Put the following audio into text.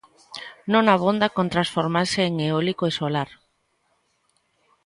Non abonda con transformarse en eólico e solar.